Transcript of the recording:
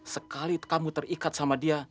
sekali kamu terikat sama dia